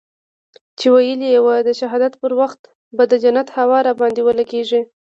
چې ويلي يې وو د شهادت پر وخت به د جنت هوا درباندې ولګېږي.